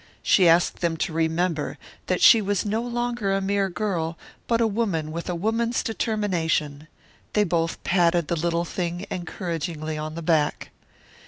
She asked them to remember that she was no longer a mere girl, but a woman with a woman's determination. They both patted the little thing encouragingly on the back.